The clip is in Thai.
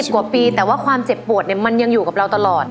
กว่าปีแต่ว่าความเจ็บปวดเนี่ยมันยังอยู่กับเราตลอด